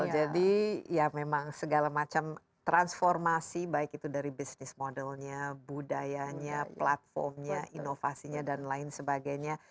jadi ya memang segala macam transformasi baik itu dari bisnis modelnya budayanya platformnya inovasinya dan lain sebagainya